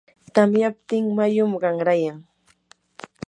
tamyaptin mayum qanrayan.